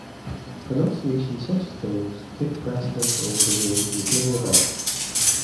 Pronunciations such as those take precedence over the rules in the table above.